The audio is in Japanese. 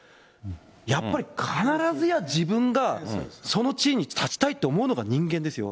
やっぱり、必ずや自分が、その地位に立ちたいと思うのが人間ですよ。